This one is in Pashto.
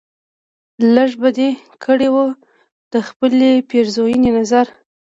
لږ به دې کړی و دخپلې پیرزوینې نظر